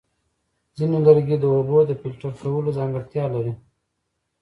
ځینې لرګي د اوبو د فلټر کولو ځانګړتیا لري.